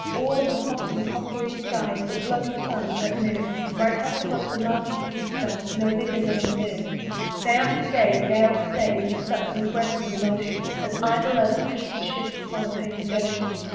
All in a hot and copper sky The bloody sun at noon, Right up above the mast did stand, No bigger than the moon. Day after day, day after day, We stuck, ne breath ne motion, As idle as a painted Ship Upon a painted Ocean.